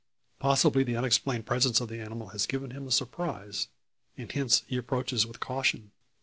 Possibly the unexplained presence of the animal has given him a surprise, and hence he approaches with caution?